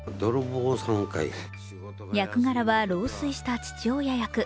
役柄は老衰した父親役。